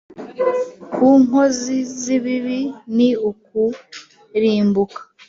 ku nkozi z’ibibi ni ukurimbuka